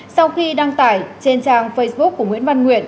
sau khi đăng tải trên trang facebook của nguyễn văn nguyện